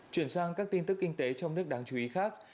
chuyển sang các tin tức kinh tế trong nước đáng chú ý khác